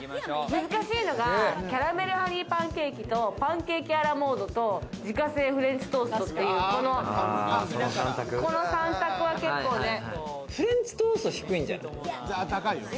難しいのがキャラメルハニーパンケーキとパンケーキアラモードと自家製フレンチトーストってフレンチトースト、低いんじ